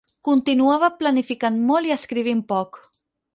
Continuava planificant molt i escrivint poc.